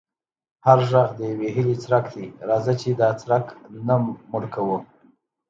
هر غږ د یوې هیلې څرک دی، راځه چې دا څرک نه مړوو.